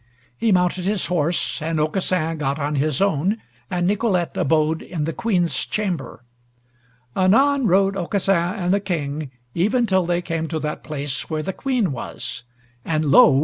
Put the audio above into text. He mounted his horse, and Aucassin gat on his own, and Nicolete abode in the Queen's chamber. Anon rode Aucassin and the King even till they came to that place where the Queen was, and lo!